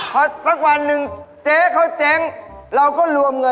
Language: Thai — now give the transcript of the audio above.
ก็รู้ว่าพี่เบิร์ชมันไม่ใช่ร้านเราก็จริง